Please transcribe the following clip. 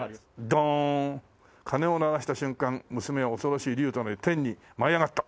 「ゴォーン鐘を鳴らした瞬間娘は恐ろしい龍となり天に舞い上がった」